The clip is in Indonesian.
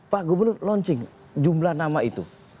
pak gubernur launching jumlah nama itu